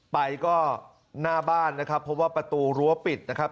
ไปก็หน้าบ้านนะครับเพราะว่าประตูรั้วปิดนะครับ